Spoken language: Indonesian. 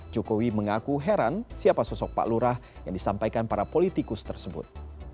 jokowi mengaku heran siapa sosok pak lurah yang disampaikan para politikus tersebut